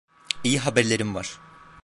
İyi haberlerim var.